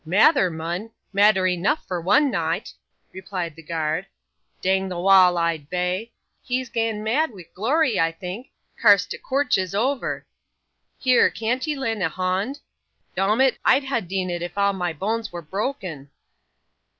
'Matther mun, matter eneaf for one neight,' replied the guard; 'dang the wall eyed bay, he's gane mad wi' glory I think, carse t'coorch is over. Here, can't ye len' a hond? Dom it, I'd ha' dean it if all my boans were brokken.